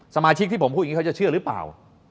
สมาชิกที่ผมพูดอย่างนี้เขาจะเชื่อหรือเปล่า